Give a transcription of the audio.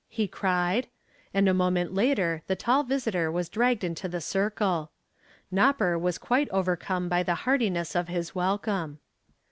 he cried, and a moment later the tall visitor was dragged into the circle. "Nopper" was quite overcome by the heartiness of his welcome.